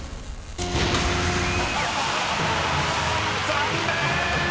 ［残念！］